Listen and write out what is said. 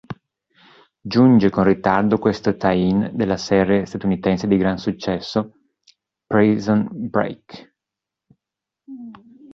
Giunge con ritardo questo tie-in della serie statunitense di grande successo "Prison Break".